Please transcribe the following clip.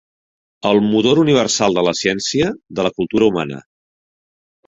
El motor universal de la ciència, de la cultura humana.